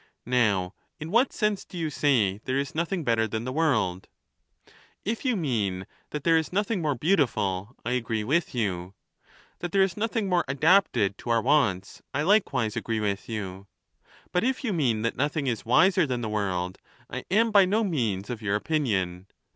Now, in what sense do you say there is nothing better than the world ? If you mean that there is nothing more beautiful, I agree with you ; that there is nothing more adapted to our wants, I likewise agree with you : but if you mean that nothing is wiser than the world, I am by no means of your opinion.